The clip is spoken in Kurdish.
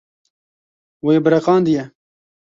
Wê biriqandiye.